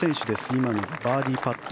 今のがバーディーパット。